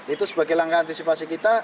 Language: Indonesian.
itu sebagai langkah antisipasi kita